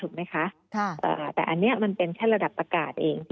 ถูกไหมคะแต่อันนี้มันเป็นแค่ระดับประกาศเอง